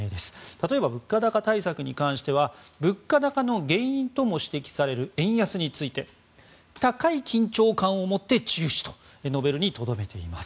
例えば、物価高対策に関しては物価高の原因とも指摘される円安について高い緊張感を持って注視と述べるにとどめています。